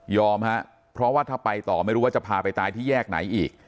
เพราะว่าถ้าไปต่อไม่รู้ว่าจะพาไปตายที่แยกไหนอีก